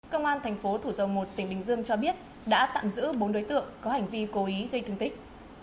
công an thành phố thủ dầu một tỉnh bình dương cho biết đã tạm giữ bốn đối tượng có hành vi cố ý gây thương tích